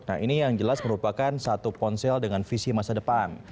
nah ini yang jelas merupakan satu ponsel dengan visi masa depan